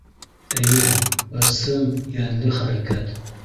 — Эйе, ысын, йәнле хәрәкәт.